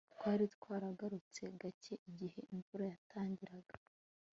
Twari twaragarutse gake igihe imvura yatangiraga